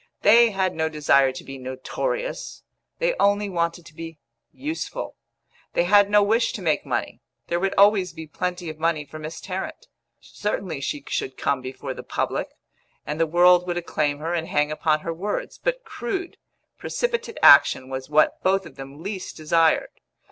They had no desire to be notorious; they only wanted to be useful. They had no wish to make money; there would always be plenty of money for Miss Tarrant. Certainly, she should come before the public, and the world would acclaim her and hang upon her words; but crude, precipitate action was what both of them least desired.